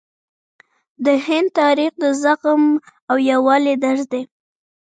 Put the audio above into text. د هند تاریخ د زغم او یووالي درس دی.